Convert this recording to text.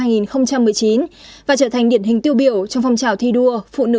và trở thành điển hình tiêu biểu trong phong trào thi đua phụ nữ làm kinh tế giỏi ở địa phương